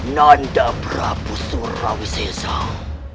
nanda prabu surawi caesar